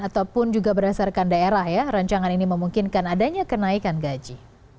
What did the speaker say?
ataupun juga berdasarkan daerah ya rancangan ini memungkinkan adanya kenaikan gaji